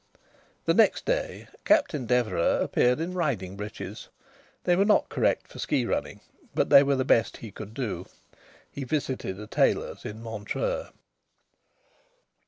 The next day Captain Deverax appeared in riding breeches. They were not correct for ski running, but they were the best he could do. He visited a tailor's in Montreux.